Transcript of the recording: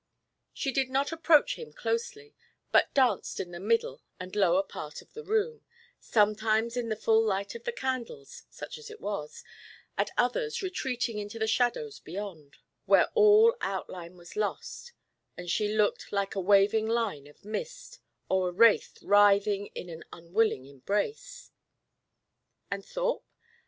She did not approach him closely, but danced in the middle and lower part of the room, sometimes in the full light of the candles, such as it was, at others retreating into the shadows beyond; where all outline was lost, and she looked like a waving line of mist, or a wraith writhing in an unwilling embrace. And Thorpe?